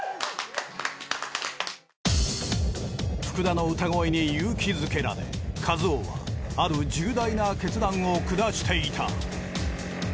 福田の歌声に勇気づけられ一夫はある重大な決断を下していた。